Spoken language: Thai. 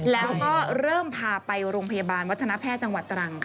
แล้วก็เริ่มพาไปโรงพยาบาลวัฒนแพทย์จังหวัดตรังค่ะ